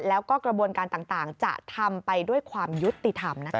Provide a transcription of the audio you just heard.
แล้วก็กระบวนการต่างจะทำไปด้วยความยุติธรรมนะคะ